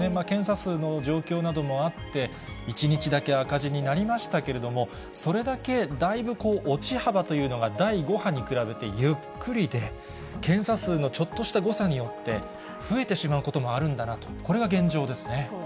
検査数の状況などもあって、１日だけ赤字になりましたけれども、それだけ、だいぶ落ち幅というのが、第５波に比べてゆっくりで、検査数のちょっとした誤差によって、増えてしまうこともあるんだそうですね。